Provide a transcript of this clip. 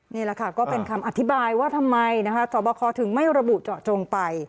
นี่แหละค่ะก็เป็นคำอธิบายว่าทำไมสอบคอถึงไม่ระบุเจาะจงไป